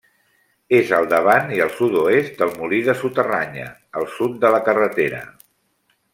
És al davant i al sud-oest del Molí de Suterranya, al sud de la carretera.